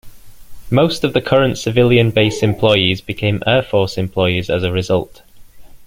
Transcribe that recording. Most of the current civilian base employees became Air Force employees as a result.